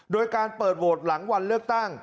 โดยการเปิดโหวตหลังวันเลือกตั้ง